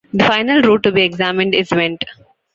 The final root to be examined is "went".